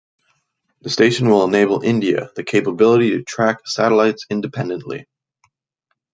The station will enable India the capability to track satellites independently.